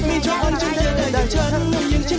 ไม่ชอบอย่างฉันจะได้อย่างฉันได้อย่างฉันอย่างฉัน